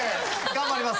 頑張ります！